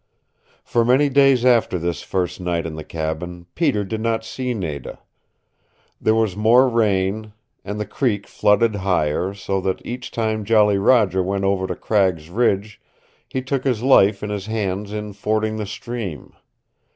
For many days after this first night in the cabin, Peter did not see Nada. There was more rain, and the creek flooded higher, so that each time Jolly Roger went over to Cragg's Ridge he took his life in his hands in fording the stream.